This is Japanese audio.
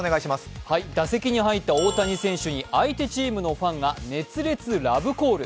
打席に入った大谷選手に相手チームのファンが熱烈ラブコール。